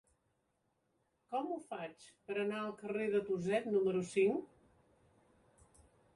Com ho faig per anar al carrer de Tuset número cinc?